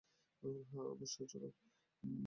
হ্যাঁ, অবশ্যই, চলো।